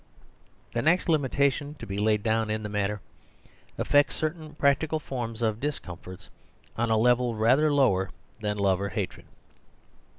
The next limitation to be laid down in the matter affects certain practical forms of dis comfort, on a level rather lower than love or hatred.